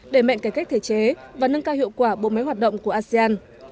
để mạnh cải cách thể chế và nâng cao hiệu quả bộ máy hoạt động của asean